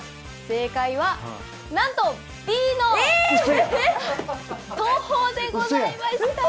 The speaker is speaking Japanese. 正解はなんとＢの徒歩でございました！